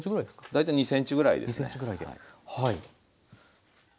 大体２ｃｍぐらいですね。